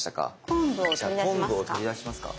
昆布を取り出しますか。